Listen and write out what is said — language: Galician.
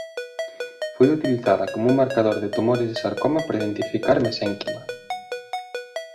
Foi utilizada como un marcador de tumores de sarcoma para identificar o mesénquima.